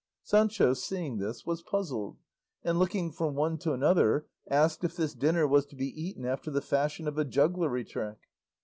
Sancho seeing this was puzzled, and looking from one to another asked if this dinner was to be eaten after the fashion of a jugglery trick.